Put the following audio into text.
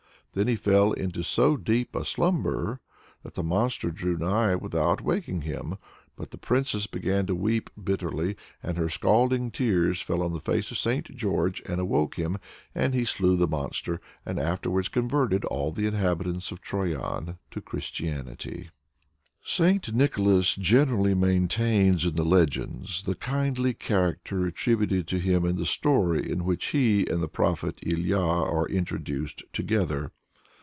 Then he fell into so deep a slumber that the monster drew nigh without awaking him. But the Princess began to weep bitterly, and her scalding tears fell on the face of St. George and awoke him, and he slew the monster, and afterwards converted all the inhabitants of Troyan to Christianity. St. Nicholas generally maintains in the legends the kindly character attributed to him in the story in which he and the Prophet Ilya are introduced together.